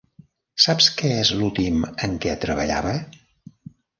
Saps què és l'últim en què treballava?